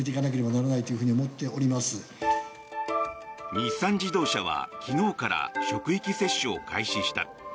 日産自動車は昨日から職域接種を開始した。